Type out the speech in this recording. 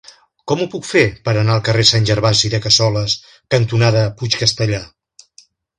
Com ho puc fer per anar al carrer Sant Gervasi de Cassoles cantonada Puig Castellar?